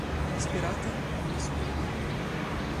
Disperata, elle sviene.